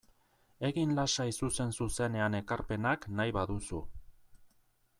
Egin lasai zuzen-zuzenean ekarpenak nahi baduzu.